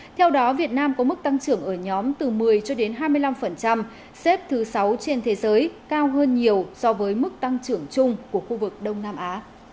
theo đó việt nam có mức tăng trưởng ở nhóm từ một mươi cho đến hai mươi năm xếp thứ sáu trên thế giới cao hơn nhiều so với mức tăng trưởng chung của khu vực đông nam á